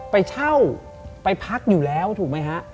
ไปเช่าไปพักอยู่แล้วถูกไหมฮะ